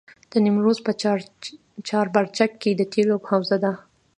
د نیمروز په چاربرجک کې د تیلو حوزه ده.